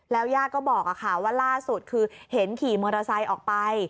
ยาดก็บอกว่าล่าสุดคือเห็นขี่มอเตอร์ไซค์ออกไป